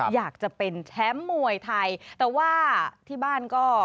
อยากจะเป็นแชมป์มวยไทยแต่ว่าที่บ้านก็